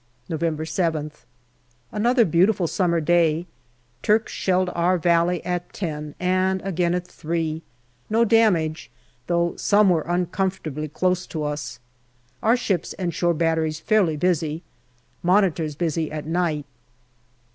November 7th. Another beautiful summer day. Turks shelled our valley at ten and again at three. No damage, though some were uncomfortably close to us. Our ships and shore batteries fairly busy. Monitors busy at night.